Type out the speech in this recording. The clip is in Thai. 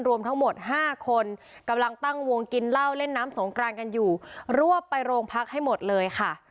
รวมทั้งหมดห้าคนกำลังตั้งวงกินเหล้าเล่นน้ำสงกรานกันอยู่รวบไปโรงพักให้หมดเลยค่ะ